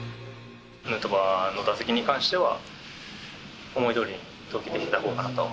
ヌートバーの打席に関しては、思いどおりに投球できたほうかなと。